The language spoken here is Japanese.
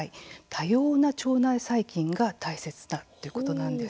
多様な腸内細菌が大切だということなんです。